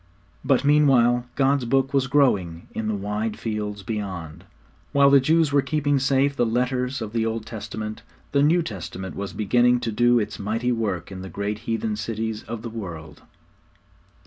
But meanwhile God's Book was growing in the wide fields beyond. While the Jews were keeping safe the letters of the Old Testament, the New Testament was beginning to do its mighty work in the great heathen cities of the world.